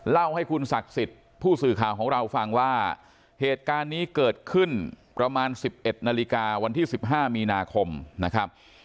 เล่าให้คุณศักดิ์สิทธิ์ผู้สื่อข่าวของเราฟังว่าเหตุการณ์นี้เกิดขึ้นประมาณ๑๑นาฬิกาวันที่๑๕มีนาคมนะครับ